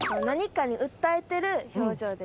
「何かに訴えてる表情」？